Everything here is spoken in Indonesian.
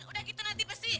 udah gitu nanti besi